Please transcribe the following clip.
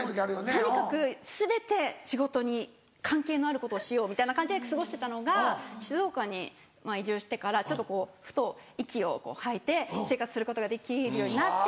とにかく全て仕事に関係のあることをしようみたいな感じで過ごしてたのが静岡に移住してからちょっとこうふっと息を吐いて生活することができるようになって。